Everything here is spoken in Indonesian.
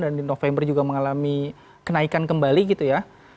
dan di november juga mengalami kenaikan kembali gitu ya